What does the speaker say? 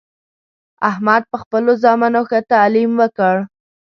احمد په خپلو زامنو ښه تعلیم وکړ